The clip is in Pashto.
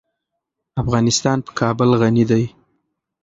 افغانستان په کابل غني دی.